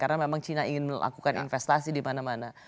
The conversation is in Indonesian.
karena memang china ingin melakukan investasi di mana mana